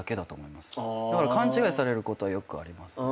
だから勘違いされることはよくありますね。